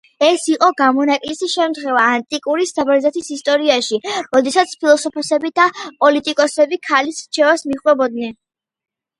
ეს იყო გამონაკლისი შემთხვევა ანტიკური საბერძნეთის ისტორიაში, როდესაც ფილოსოფოსები და პოლიტიკოსები ქალის რჩევებს მიჰყვებოდნენ.